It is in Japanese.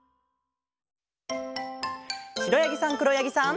しろやぎさんくろやぎさん。